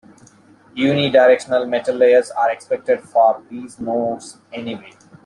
Unidirectional metal layers are expected for these nodes anyway.